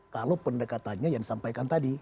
kalau pendekatannya yang disampaikan tadi